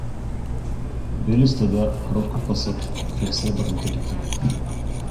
Бели стада кротко пасат край сребърните реки.